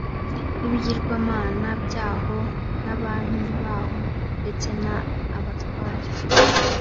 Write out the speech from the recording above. n ibigirwamana byaho n abami baho ndetse na abatware